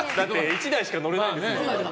１台しか乗れないですからね。